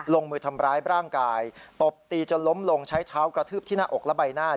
ลงมือทำร้ายร่างกายตบตีจนล้มลงใช้เท้ากระทืบที่หน้าอกและใบหน้า